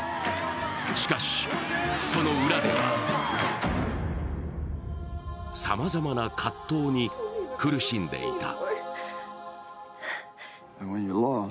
しかし、その裏ではさまざまな葛藤に苦しんでいた。